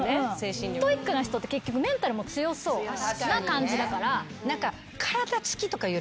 ストイックな人って結局メンタルも強そうな感じだから。